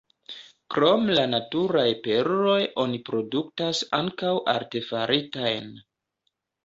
Krom la naturaj perloj oni produktas ankaŭ artefaritajn.